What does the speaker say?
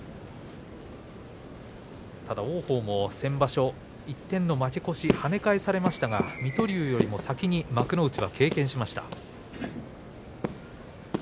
ただ王鵬も先場所１点の負け越し、跳ね返されましたが水戸龍よりも先に幕内を経験しました。